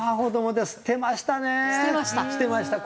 捨てました。